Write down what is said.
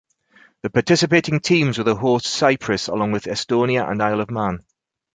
The participating teams were the hosts Cyprus along with Estonia and Isle of Man.